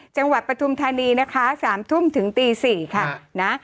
๒จังหวัดประธุมธรรมนี๓ทุ่ม๑๕นถึงตี๔นะ